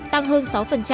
tăng hơn sáu